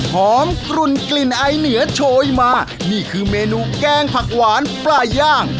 กลุ่นกลิ่นไอเหนือโชยมานี่คือเมนูแกงผักหวานปลาย่าง